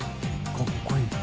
かっこいい。）